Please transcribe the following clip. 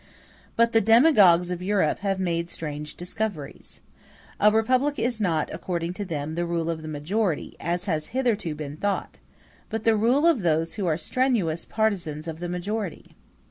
But the demagogues of Europe have made strange discoveries. A republic is not, according to them, the rule of the majority, as has hitherto been thought, but the rule of those who are strenuous partisans of the majority.